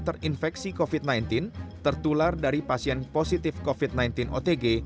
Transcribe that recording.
terinfeksi covid sembilan belas tertular dari pasien positif covid sembilan belas otg